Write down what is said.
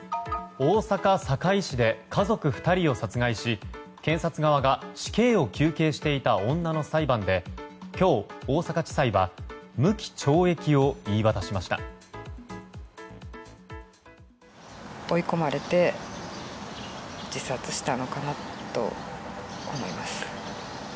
大阪・堺市で家族２人を殺害し検察側が死刑を求刑していた女の裁判で今日、大阪地裁は無期懲役を言い渡しました。